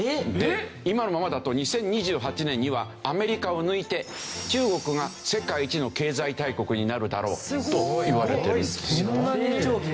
今のままだと２０２８年にはアメリカを抜いて中国が世界１位の経済大国になるだろうといわれてるんですよ。